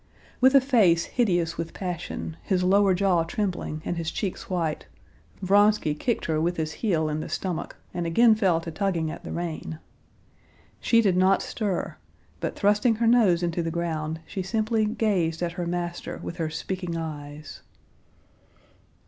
With a face hideous with passion, his lower jaw trembling, and his cheeks white, Vronsky kicked her with his heel in the stomach and again fell to tugging at the rein. She did not stir, but thrusting her nose into the ground, she simply gazed at her master with her speaking eyes.